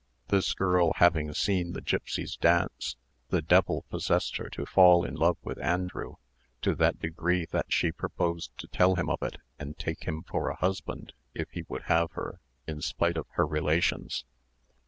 This girl having seen the gipsies dance, the devil possessed her to fall in love with Andrew to that degree that she proposed to tell him of it, and take him for a husband, if he would have her, in spite of all her relations.